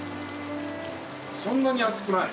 そんなに熱くない。